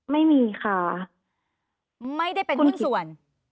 ไม่มีค่ะไม่ได้เป็นหุ้นส่วน